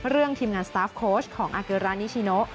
เรื่องทีมงานสตาฟโคชของอาเกอรานิชิโน